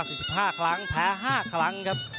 ซุปเปอร์ครับ